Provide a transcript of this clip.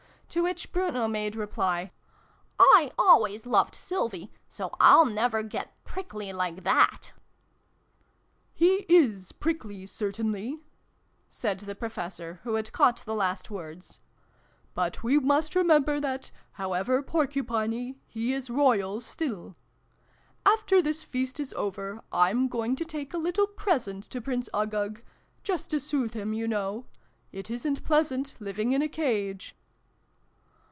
To which Bruno made reply, " I always loved Sylvie, so I'll never get prickly like that !"" He is prickly, certainly," said the Professor, who had caught the last words, "but we must remember that, however porcupiny, he is royal still ! After this feast is over, I'm going to take a little present to Prince Uggug just to soothe him, you know : it isn't pleasant living in a cage."